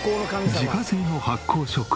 自家製の発酵食品。